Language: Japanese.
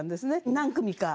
何組か。